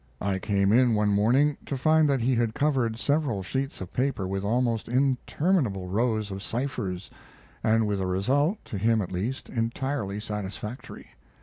I came in one morning, to find that he had covered several sheets of paper with almost interminable rows of ciphers, and with a result, to him at least, entirely satisfactory.